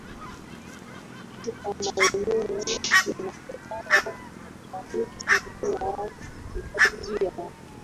katika maeneo na wilaya tofauti bila haki ya